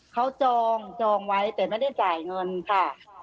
เขาจองจองไว้แต่ไม่ได้จ่ายเงินค่ะ